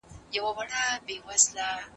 ستا د تروم له بد شامته جنګېدله